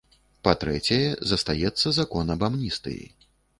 Па-трэцяе, застаецца закон аб амністыі.